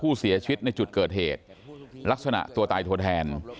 ผู้เสียชีวิตในจุดเกิดเหตุลักษณะตัวตายตัวแทน